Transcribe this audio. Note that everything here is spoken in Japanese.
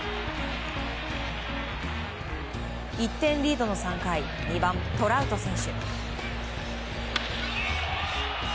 １点リードの３回２番トラウト選手。